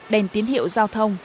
đèn tiến hiệu giao thông